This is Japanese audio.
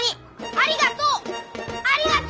ありがとう！